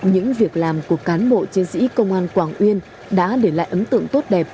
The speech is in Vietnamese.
những việc làm của cán bộ chiến sĩ công an quảng uyên đã để lại ấn tượng tốt đẹp